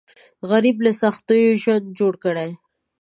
غریب له سختیو ژوند جوړ کړی